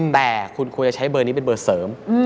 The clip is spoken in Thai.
แต่คุณควรจะใช้เบอร์นี้เป็นเบอร์เสริม